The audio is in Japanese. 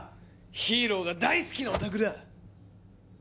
ヒーローが大好きなオタクだ！